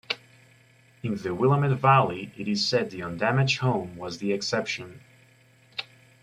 In the Willamette Valley, it is said the undamaged home was the exception.